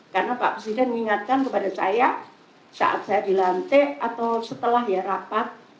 karena pak presiden mengingatkan kepada saya saat saya dilantik atau setelah ya rapat